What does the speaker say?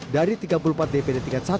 dari tiga puluh empat dpd tiga puluh satu